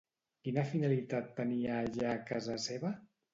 Quina finalitat tenia allà casa seva?